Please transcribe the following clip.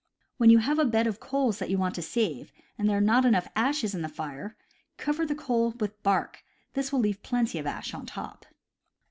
When you have a bed of coals that you want to save, and there are not enough ashes in the fire, cover the coals with bark; this will leave plenty of ash on top.